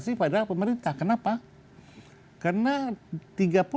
dan saya menerima kasih pada pemerintah kenapa